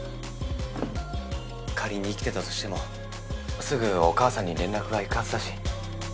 仮に生きてたとしてもすぐお母さんに連絡がいくはずだし。